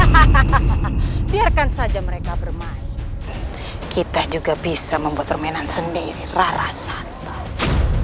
hahaha biarkan saja mereka bermain kita juga bisa membuat permainan sendiri rara santai